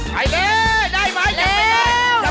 กลับไปเลยนะครับ